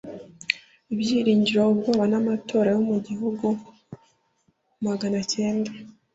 ibyiringiro, ubwoba n'amatora yo mu gihumbi maga na cyenda